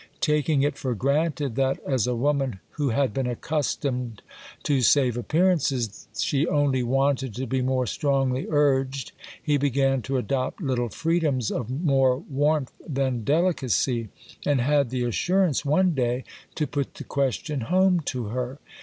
Taking it "or granted that, as a woman who had been accustomed to save appearances, she only wanted to be more strongly urged, he began to adopt little freedoms of more warmth than delicacy ; and had the assurance one day to put the ques ion home to her.